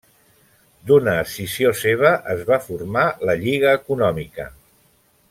D'una escissió seva es va formar la Lliga Econòmica.